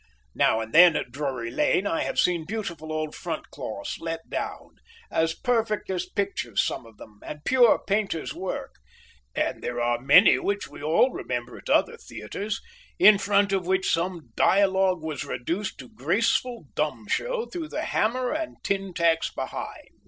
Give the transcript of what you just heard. Now and then, at Drury Lane, I have seen beautiful old front cloths let down, as perfect as pictures some of them, and pure painter's work, and there are many which we all remember at other theatres, in front of which some dialogue was reduced to graceful dumb show through the hammer and tin tacks behind.